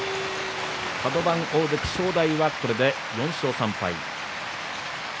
カド番大関正代はこれで４勝３敗。